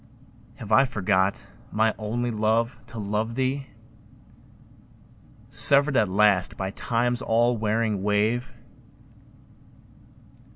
Have I forgot, my only love, to love thee, Severed at last by Time's all wearing wave?